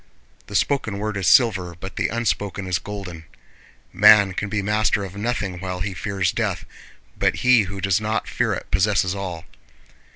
The spoken word is silver but the unspoken is golden. Man can be master of nothing while he fears death, but he who does not fear it possesses all.